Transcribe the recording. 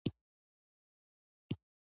مس د افغانستان د طبیعي پدیدو یو رنګ دی.